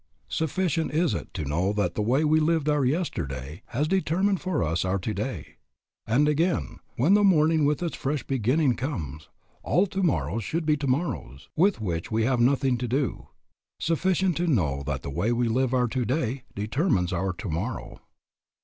Sufficient is it to know that the way we lived our yesterday has determined for us our today. And, again, when the morning with its fresh beginning comes, all tomorrows should be tomorrows, with which we have nothing to do. Sufficient to know that the way we live our today determines our tomorrow.